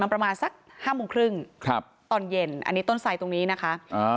มันประมาณสัก๕โมงครึ่งตอนเย็นอันนี้ต้นทรายตรงนี้นะคะ